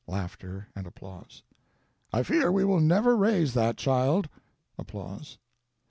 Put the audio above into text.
[Laughter and applause.] I fear we will never raise that child. [Applause.